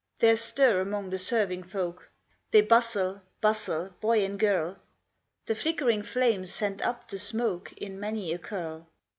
There's stir among the serving folk; They bustle, bustle, boy and girl; The flickering flames send up the smoke In many a curl.